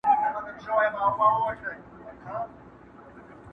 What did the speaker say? o چي غل نه تښتي مل دي وتښتي!